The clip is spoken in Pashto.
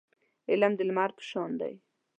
علم د لمر په شان دی.